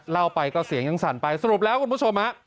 เล่าไปก็เสียงยังสั่นไปสรุปแล้วคุณผู้ชมฮะ